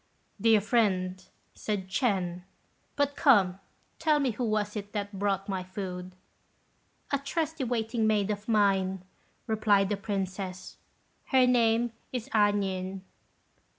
"Dear friend," said Ch'ên; "but, come, tell me who was it that brought my food." "A trusty waiting maid of mine," replied the Princess; "her name is A nien."